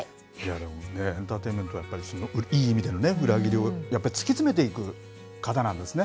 でもね、エンターテインメント、すごくいい意味での裏切りをやっぱりつきつめていく方なんですね。